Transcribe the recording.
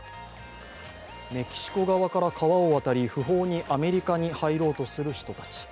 メキシコ側から川を渡り、不法にアメリカに入ろうとする人たち。